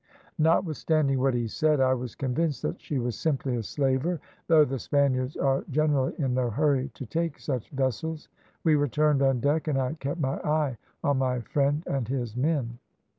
"Notwithstanding what he said, I was convinced that she was simply a slaver, though the Spaniards are generally in no hurry to take such vessels. We returned on deck, and I kept my eye on my friend and his men.